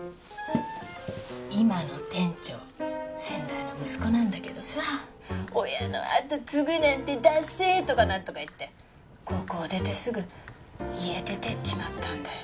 今の店長先代の息子なんだけどさ親の後継ぐなんてダセえとか何とか言って高校出てすぐ家出てっちまったんだよ